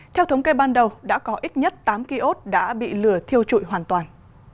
theo thống kê ban đầu đã có ít nhất tám kiosk đã bị lửa thiêu trụi hoàn toàn